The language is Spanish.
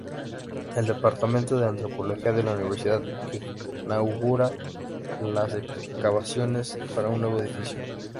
El departamento de antropología de la universidad inaugura las excavaciones para un nuevo edificio.